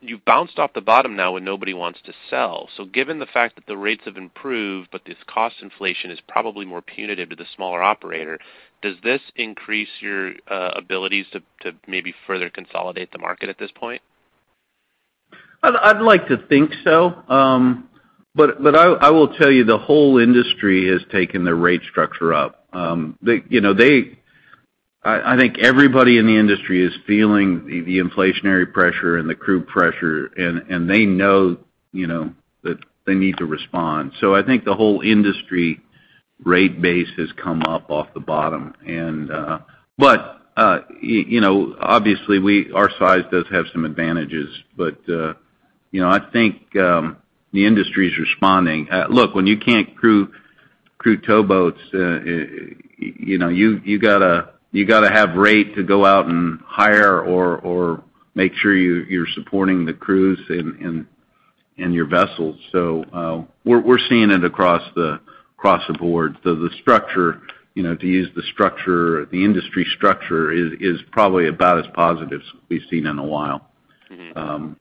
You've bounced off the bottom now when nobody wants to sell. Given the fact that the rates have improved, but this cost inflation is probably more punitive to the smaller operator, does this increase your abilities to maybe further consolidate the market at this point? I'd like to think so. I will tell you, the whole industry has taken their rate structure up. I think everybody in the industry is feeling the inflationary pressure and the crew pressure, and they know, you know, that they need to respond. I think the whole industry rate base has come up off the bottom. You know, obviously, our size does have some advantages, but, you know, I think the industry is responding. Look, when you can't crew towboats, you know, you gotta have rate to go out and hire or make sure you're supporting the crews and your vessels. We're seeing it across the board. The structure, you know, to use the structure, the industry structure is probably about as positive as we've seen in a while. Mm-hmm.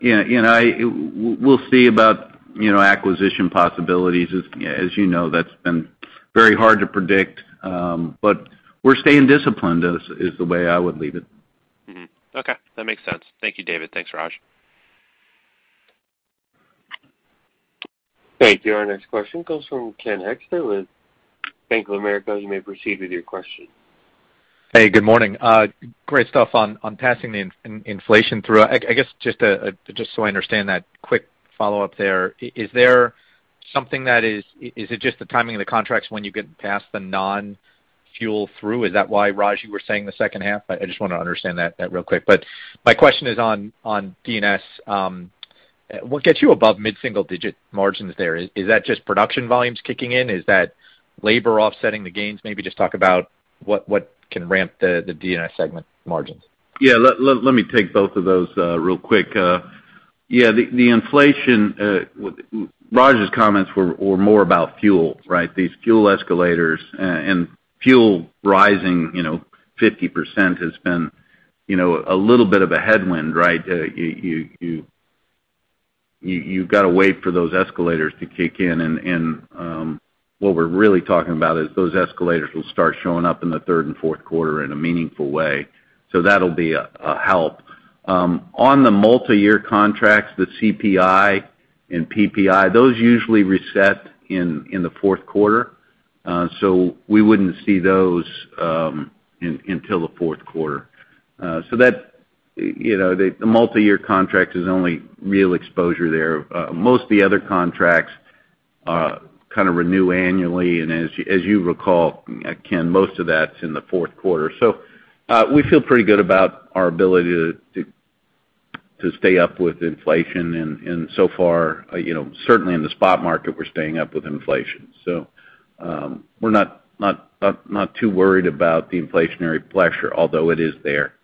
You know, we'll see about, you know, acquisition possibilities. As you know, that's been very hard to predict. We're staying disciplined is the way I would leave it. Okay, that makes sense. Thank you, David. Thanks, Raj. Thank you. Our next question comes from Ken Hoexter with Bank of America. You may proceed with your question. Hey, good morning. Great stuff on passing the inflation through. I guess just so I understand that quick follow-up there, is it just the timing of the contracts when you get past the non-fuel through? Is that why, Raj, you were saying the second half? I just wanna understand that real quick. My question is on DNS. What gets you above mid-single digit margins there? Is that just production volumes kicking in? Is that labor offsetting the gains? Maybe just talk about what can ramp the DNS segment margins. Yeah. Let me take both of those real quick. Yeah, the inflation, Raj's comments were more about fuel, right? These fuel escalators. Fuel rising, you know, 50% has been, you know, a little bit of a headwind, right? You've got to wait for those escalators to kick in. What we're really talking about is those escalators will start showing up in the third and fourth quarter in a meaningful way. That'll be a help. On the multi-year contracts, the CPI and PPI, those usually reset in the fourth quarter. We wouldn't see those until the fourth quarter. That, you know, the multi-year contract is the only real exposure there. Most of the other contracts kind of renew annually. As you recall, Ken, most of that's in the fourth quarter. We feel pretty good about our ability to stay up with inflation. So far, you know, certainly in the spot market, we're staying up with inflation. We're not too worried about the inflationary pressure, although it is there.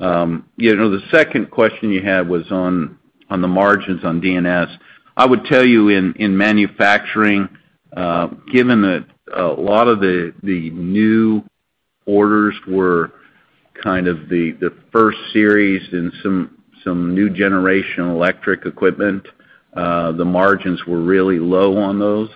You know, the second question you had was on the margins on DNS. I would tell you, in manufacturing, given that a lot of the new orders were kind of the first series in some new generation electric equipment, the margins were really low on those.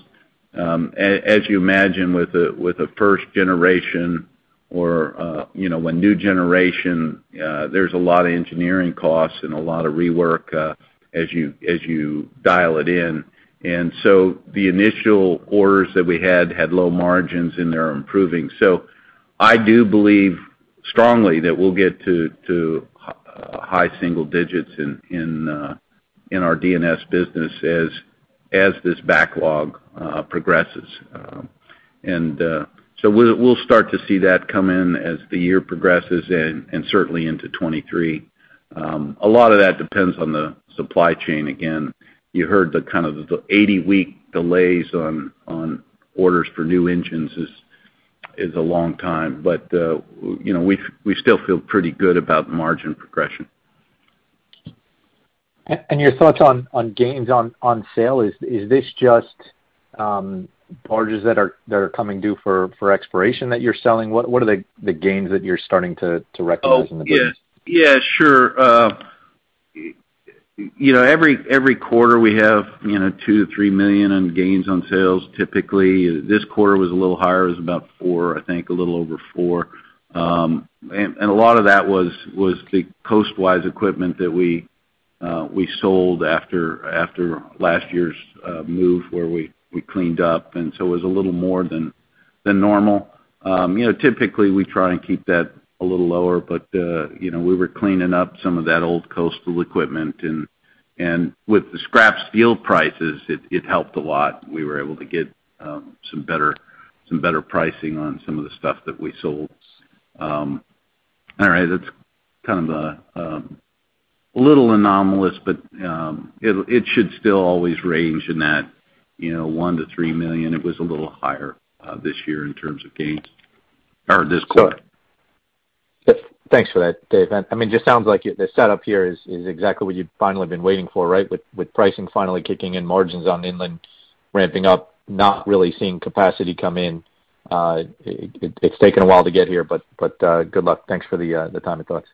As you imagine with a first generation or you know when new generation, there's a lot of engineering costs and a lot of rework as you dial it in. The initial orders that we had had low margins, and they're improving. I do believe strongly that we'll get to high single digits in our DNS business as this backlog progresses. We'll start to see that come in as the year progresses and certainly into 2023. A lot of that depends on the supply chain. Again, you heard the kind of 80-week delays on orders for new engines is a long time. We still feel pretty good about margin progression. Your thoughts on gains on sale. Is this just barges that are coming due for expiration that you're selling? What are the gains that you're starting to recognize in the business? Oh, yeah. Yeah, sure. You know, every quarter we have, you know, $2-$3 million on gains on sales, typically. This quarter was a little higher. It was about $4 million, I think, a little over $4 million. A lot of that was the coastal equipment that we sold after last year's move where we cleaned up. It was a little more than normal. You know, typically, we try and keep that a little lower, but you know, we were cleaning up some of that old coastal equipment. With the scrap steel prices, it helped a lot. We were able to get some better pricing on some of the stuff that we sold. All right. That's kind of a little anomalous, but it should still always range in that, you know, $1-3 million. It was a little higher this year in terms of gains or this quarter. Sure. Yep. Thanks for that, Dave. I mean, just sounds like the setup here is exactly what you'd finally been waiting for, right? With pricing finally kicking in, margins on inland ramping up, not really seeing capacity come in. It's taken a while to get here, but good luck. Thanks for the time and thoughts.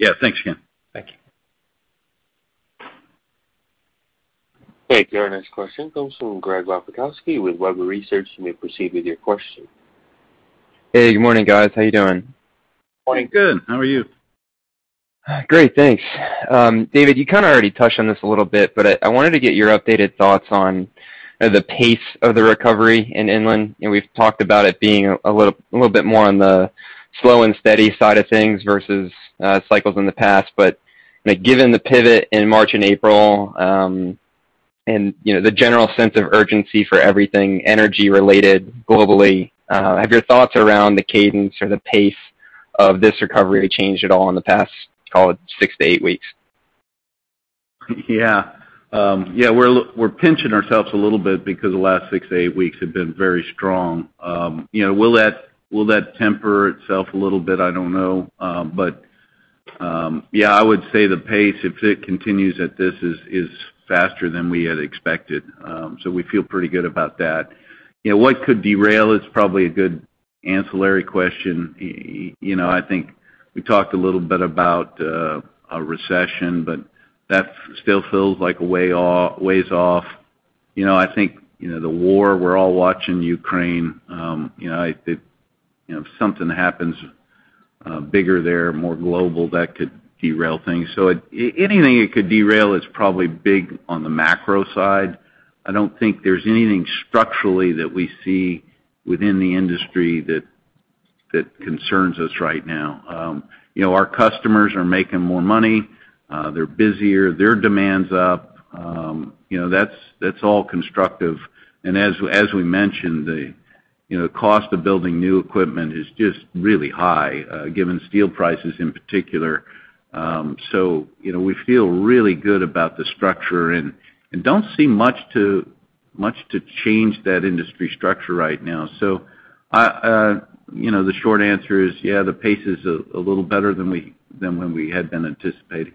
Yeah. Thanks, Ken. Thank you. Thank you. Our next question comes from Greg Wasikowski with Webber Research. You may proceed with your question. Hey, good morning, guys. How you doing? Morning. Good. How are you? Great, thanks. David, you kind of already touched on this a little bit, but I wanted to get your updated thoughts on, you know, the pace of the recovery in inland. You know, we've talked about it being a little bit more on the slow and steady side of things versus cycles in the past. I mean, given the pivot in March and April, and, you know, the general sense of urgency for everything energy related globally, have your thoughts around the cadence or the pace of this recovery changed at all in the past, call it six to eight weeks? Yeah, we're pinching ourselves a little bit because the last six to eight weeks have been very strong. You know, will that temper itself a little bit? I don't know. Yeah, I would say the pace, if it continues at this, is faster than we had expected. So we feel pretty good about that. You know, what could derail is probably a good ancillary question. You know, I think we talked a little bit about a recession, but that still feels like a way off. You know, I think the war, we're all watching Ukraine. You know, if something happens bigger there, more global, that could derail things. So anything that could derail is probably big on the macro side. I don't think there's anything structurally that we see within the industry that concerns us right now. You know, our customers are making more money. They're busier. Their demand's up. You know, that's all constructive. As we mentioned, you know, the cost of building new equipment is just really high, given steel prices in particular. You know, we feel really good about the structure and don't see much to change that industry structure right now. I, you know, the short answer is, yeah, the pace is a little better than when we had been anticipating.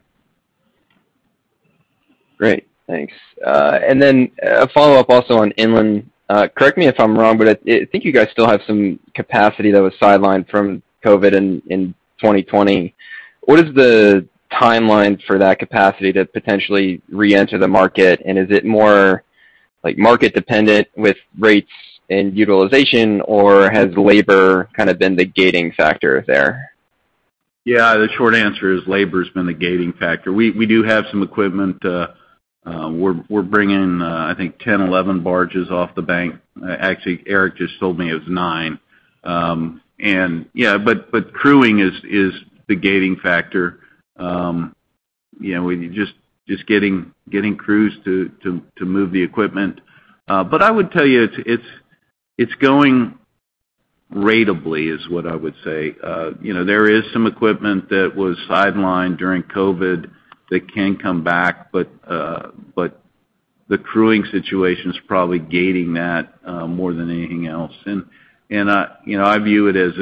Great. Thanks. A follow-up also on inland. Correct me if I'm wrong, but I think you guys still have some capacity that was sidelined from COVID in 2020. What is the timeline for that capacity to potentially reenter the market? And is it more, like, market dependent with rates and utilization, or has labor kind of been the gating factor there? Yeah. The short answer is labor's been the gating factor. We do have some equipment. We're bringing, I think 10, 11 barges off the bank. Actually, Eric just told me it was nine. Crewing is the gating factor. You know, when you're just getting crews to move the equipment. I would tell you, it's going ratably, is what I would say. You know, there is some equipment that was sidelined during COVID that can come back, but the crewing situation is probably gating that more than anything else. You know, I view it as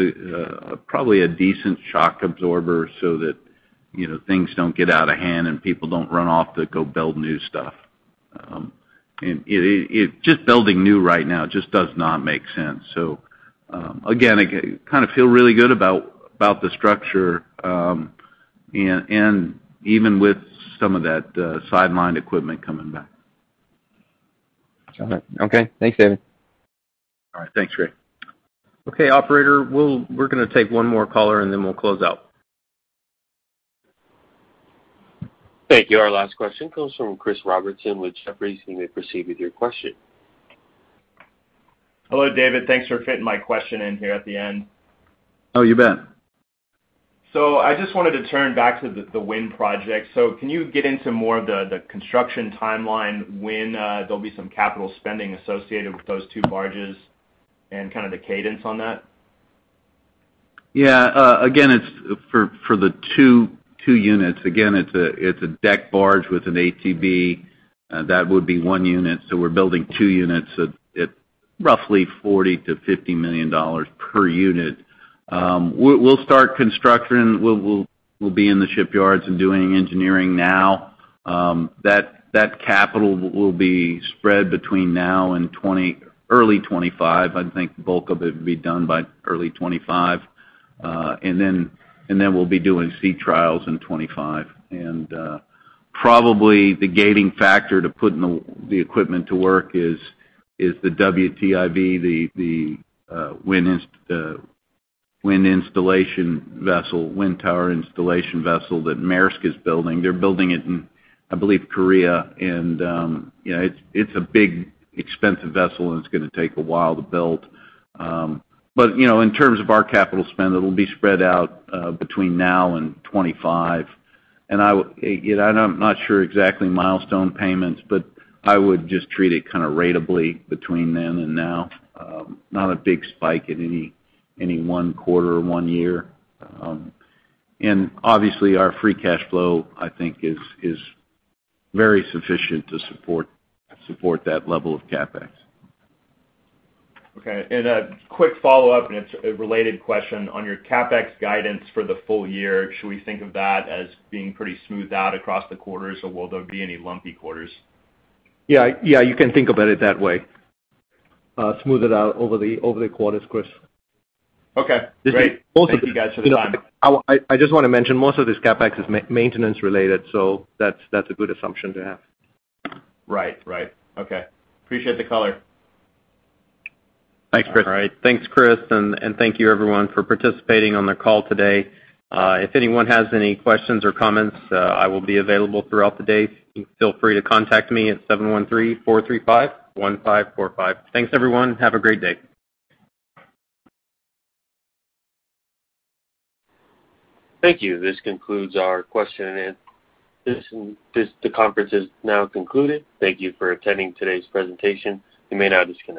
probably a decent shock absorber so that, you know, things don't get out of hand and people don't run off to go build new stuff. Just building new right now just does not make sense. Again, I kind of feel really good about the structure, and even with some of that sidelined equipment coming back. Got it. Okay. Thanks, David. All right. Thanks, Greg. Okay, operator, we're gonna take one more caller and then we'll close out. Thank you. Our last question comes from Chris Robertson with Jefferies. You may proceed with your question. Hello, David. Thanks for fitting my question in here at the end. Oh, you bet. I just wanted to turn back to the wind project. Can you get into more of the construction timeline, when there'll be some capital spending associated with those two barges and kind of the cadence on that? Yeah. Again, it's for the two units, again, it's a deck barge with an ATB. That would be one unit, so we're building two units at roughly $40-$50 million per unit. We'll be in the shipyards and doing engineering now. That capital will be spread between now and early 2025. I think the bulk of it will be done by early 2025. We'll be doing sea trials in 2025. Probably the gating factor to putting the equipment to work is the WTIV, the wind installation vessel, wind tower installation vessel that Maersk is building. They're building it in, I believe, Korea. It's a big, expensive vessel and it's gonna take a while to build. But, you know, in terms of our capital spend, it'll be spread out between now and 25. You know, and I'm not sure exactly milestone payments, but I would just treat it kind of ratably between then and now. Not a big spike in any one quarter or one year. Obviously, our free cash flow, I think, is very sufficient to support that level of CapEx. Okay. A quick follow-up, and it's a related question. On your CapEx guidance for the full year, should we think of that as being pretty smoothed out across the quarters, or will there be any lumpy quarters? Yeah. Yeah, you can think about it that way. Smoothed out over the quarters, Chris. Okay. Great. Most of the- Thank you guys for the time. You know, I just wanna mention, most of this CapEx is maintenance related, so that's a good assumption to have. Right. Right. Okay. Appreciate the color. Thanks, Chris. All right. Thanks, Chris. Thank you everyone for participating on the call today. If anyone has any questions or comments, I will be available throughout the day. Feel free to contact me at 713-435-1545. Thanks, everyone. Have a great day. Thank you. This concludes our question and the conference is now concluded. Thank you for attending today's presentation. You may now disconnect.